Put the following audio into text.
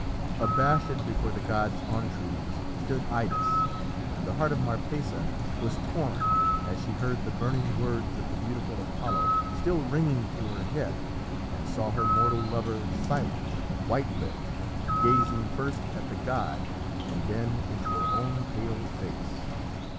Abashed before the god's entreaties stood Idas. And the heart of Marpessa was torn as she heard the burning words of the beautiful Apollo still ringing through her head, and saw her mortal lover, silent, white lipped, gazing first at the god and then into her own pale face.